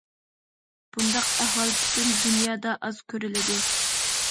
بۇنداق ئەھۋال پۈتۈن دۇنيادا ئاز كۆرۈلىدۇ.